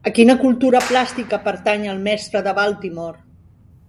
A quina cultura plàstica pertany el Mestre de Baltimore?